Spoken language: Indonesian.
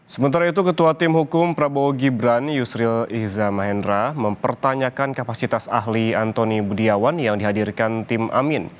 sementara itu ketua tim hukum prabowo gibran yusril ihza mahendra mempertanyakan kapasitas ahli antoni budiawan yang dihadirkan tim amin